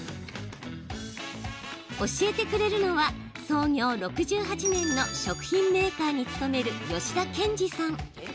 教えてくれるのは創業６８年の食品メーカーに勤める吉田憲司さん。